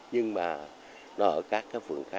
nhưng mà nó ở các phường